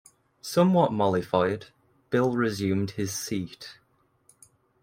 Somewhat mollified, Bill resumed his seat.